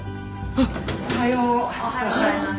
おはようございます。